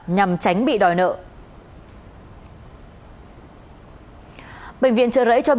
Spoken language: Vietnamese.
nhằm tránh bị đòi nợ